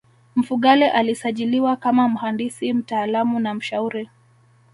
Mfugale alisajiliwa kama mhandisi mtaalamu na mshauri